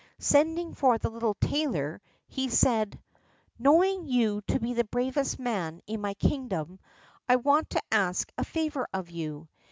Sending for the little tailor, he said: "Knowing you to be the bravest man in my kingdom, I want to ask a favor of you.